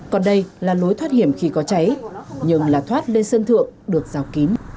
còn đây là lối thoát hiểm khi có cháy nhưng là thoát lên sân thượng được rào kín